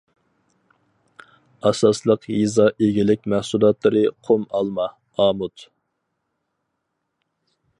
ئاساسلىق يېزا ئىگىلىك مەھسۇلاتلىرى قۇم ئالما، ئامۇت.